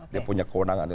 dia punya keundangan